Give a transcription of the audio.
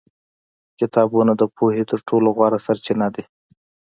کتابونه د پوهې تر ټولو غوره سرچینه دي.